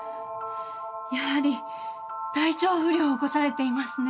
やはり体調不良を起こされていますね。